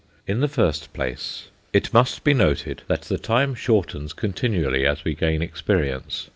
In the first place, it must be noted that the time shortens continually as we gain experience.